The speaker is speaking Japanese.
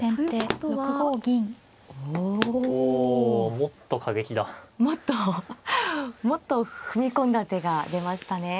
もっともっと踏み込んだ手が出ましたね。